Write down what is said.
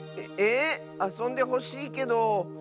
あそんでほしいけどだれ？